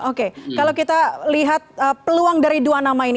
oke kalau kita lihat peluang dari dua nama ini